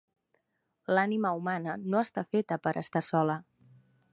L'ànima humana no està feta per estar sola.